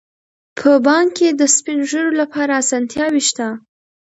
په بانک کې د سپین ږیرو لپاره اسانتیاوې شته.